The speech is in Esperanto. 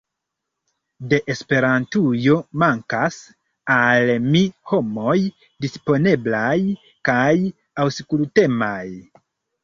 De Esperantujo, mankas al mi homoj disponeblaj kaj aŭskultemaj.